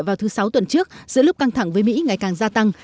vào thứ sáu tuần trước giữa lúc căng thẳng với mỹ ngày càng gia tăng